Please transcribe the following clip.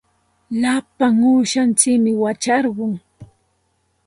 Lapa uushantsikmi wacharqun.